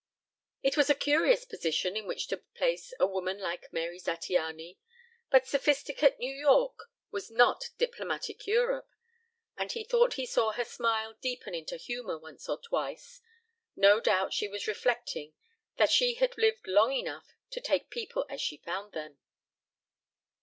It was a curious position in which to place a woman like Mary Zattiany, but Sophisticate New York was not Diplomatic Europe, and he thought he saw her smile deepen into humor once or twice; no doubt she was reflecting that she had lived long enough to take people as she found them.